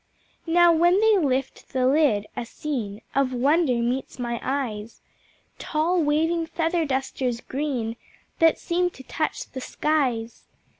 Now, when they lift the lid, a scene Of wonder meets my eyes, Tall waving Feather Dusters green, That seem to touch the skies.